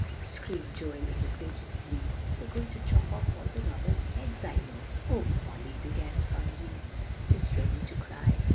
screamed Joel, in the greatest glee; "they're going to chop off all the robbers' heads, I know." "O Polly!" began Phronsie, just ready to cry.